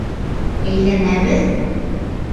Әйләнәбеҙ?